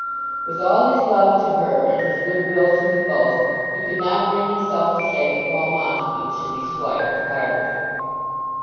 With all his love to her and his good will to them both, he could not bring himself to say that Paul Montague should be Squire of Carbury.